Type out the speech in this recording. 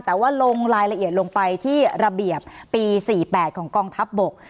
แต่ว่าลงรายละเอียดลงไปที่ระเบียบปี๔๘ของกองทัพบก